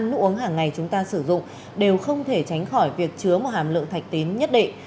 nước uống hàng ngày chúng ta sử dụng đều không thể tránh khỏi việc chứa một hàm lượng thạch tín nhất định